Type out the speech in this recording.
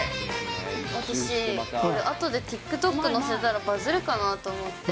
私、あとでＴｉｋＴｏｋ載せたらバズるかなと思って。